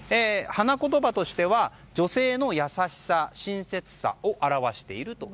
花言葉としては、女性の優しさ親切さを表していると。